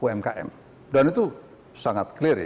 baik kepada korporasi maupun kepada kopernik